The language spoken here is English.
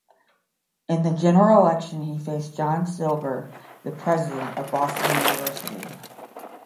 In the general election, he faced John Silber, the president of Boston University.